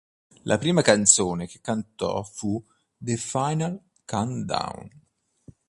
La prima canzone che cantò fu "The Final Countdown".